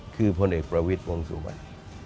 คือพลเอกประวิศวงศ์สู่วัน